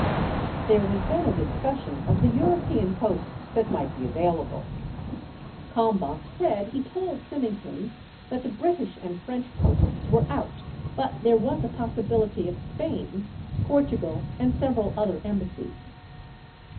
4 There was then a discussion of the European posts that might be available. Kalmbach said he told Symington that the British and French posts were out but there was a possibility of Spain, Portugal, and several other embassies.